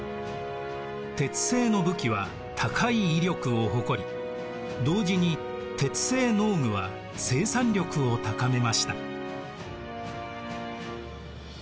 鉄製の武器は高い威力を誇り同時に鉄製農具は生産力を高めました。